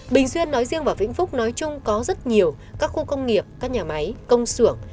bình xuyên nói riêng và vĩnh phúc nói chung có rất nhiều các khu công nghiệp các nhà máy công xưởng